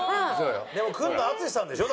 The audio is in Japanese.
でも来るの淳さんでしょ？